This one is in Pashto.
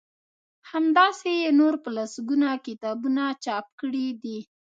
همداسی يې نور په لسګونه کتابونه چاپ کړي دي